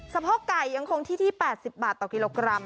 พ่อไก่ยังคงที่ที่๘๐บาทต่อกิโลกรัม